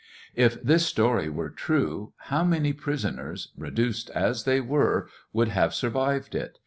If this story were true, how many prisoners — reduced as they were — would have survived it?